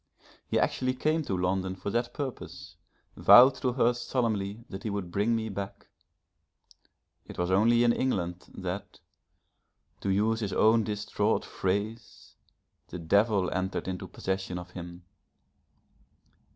He actually came to London for that purpose, vowed to her solemnly that he would bring me back; it was only in England, that, to use his own distraught phrase, the Devil entered into possession of him.